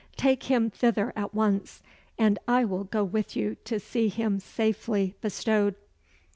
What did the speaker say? "Take him thither at once, and I will go with you to see him safely bestowed.